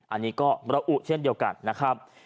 อันนี้ก็ระอุเช่นเดียวกันนะครับ